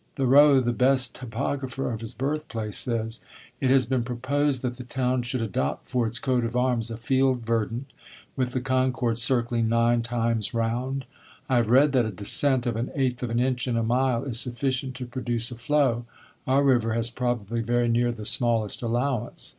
Thoreau, the best topographer of his birthplace, says: "It has been proposed that the town should adopt for its coat of arms a field verdant, with the Concord circling nine times round. I have read that a descent of an eighth of an inch in a mile is sufficient to produce a flow. Our river has probably very near the smallest allowance.